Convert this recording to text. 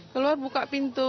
keluar buka pintu